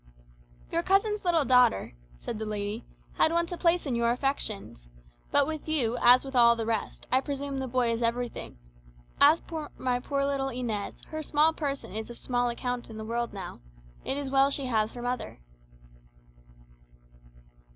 "Your cousin's little daughter," said the lady, "had once a place in your affections. But with you, as with all the rest, I presume the boy is everything. As for my poor little Inez, her small person is of small account in the world now. It is well she has her mother."